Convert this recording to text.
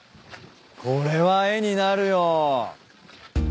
これは絵になるよ。